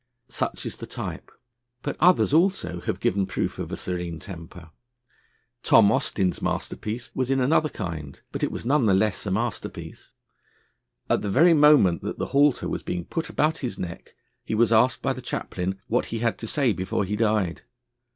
Such is the type, but others also have given proof of a serene temper. Tom Austin's masterpiece was in another kind, but it was none the less a masterpiece. At the very moment that the halter was being put about his neck, he was asked by the Chaplain what he had to say before he died.